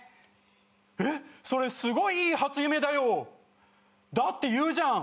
「えっそれすごいいい初夢だよだって言うじゃん」